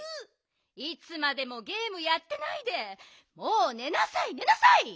いつまでもゲームやってないでもうねなさいねなさい！